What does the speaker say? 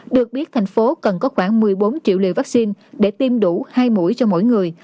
được biết thành phố cần có khoảng một mươi bốn triệu liều vaccine để tiêm đủ hai mũi cho mỗi người